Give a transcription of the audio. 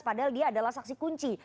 padahal dia adalah saksi kunci